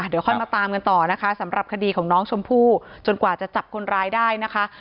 เดี๋ยวค่อยมาตามกันต่อนะคะสำหรับคดีของน้องชมพู่จนกว่าจะจับคนร้ายได้นะคะ